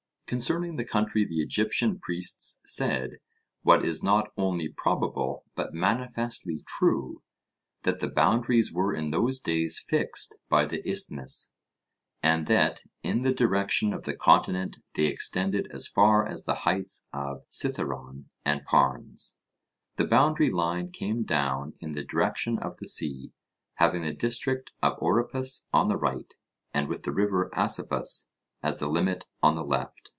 Concerning the country the Egyptian priests said what is not only probable but manifestly true, that the boundaries were in those days fixed by the Isthmus, and that in the direction of the continent they extended as far as the heights of Cithaeron and Parnes; the boundary line came down in the direction of the sea, having the district of Oropus on the right, and with the river Asopus as the limit on the left.